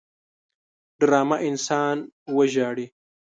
ډرامه انسان وژاړي